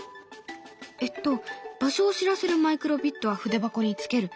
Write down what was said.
えっと場所を知らせるマイクロビットは筆箱につける。